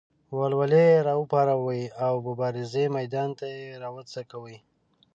ولولې یې راوپاروي او د مبارزې میدان ته یې راوڅکوي.